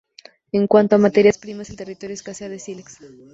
En cuanto a materias primas, el territorio escasea de sílex.